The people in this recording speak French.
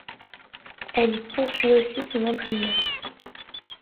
Elle y poursuit aussi son entraînement.